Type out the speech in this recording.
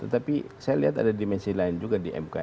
tapi saya lihat ada dimensi lain juga di mk